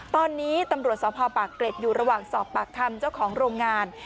ตอนนี้ตำรวจสพปากเกร็ดอยู่ระหว่างสอบปากคำเจ้าของโรงงาน